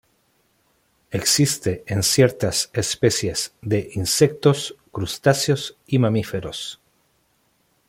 Existe en ciertas especies de insectos, crustáceos y mamíferos.